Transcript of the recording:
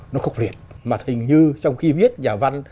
nó khốc liệt mà hình như trong khi viết nhà văn